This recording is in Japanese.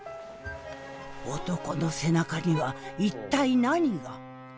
男の背中には一体何が？